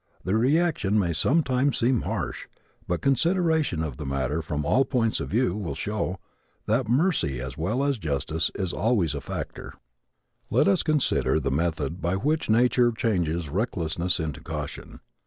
The reaction may sometimes seem harsh but consideration of the matter from all points of view will show that mercy as well as justice is always a factor. Let us consider the method by which nature changes recklessness into caution.